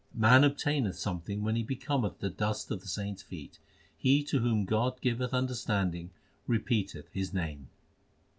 Man obtaineth something when he becometh the dust of the saints feet He to whom God giveth understanding repeateth His name.